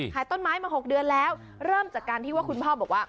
ขายต้นไม้มา๖เดือนแล้วเริ่มจากการที่ว่าคุณพ่อบอกว่า